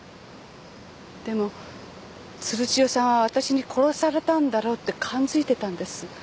でも鶴千代さんは私に殺されたんだろうって感づいてたんです。